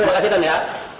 terima kasih ya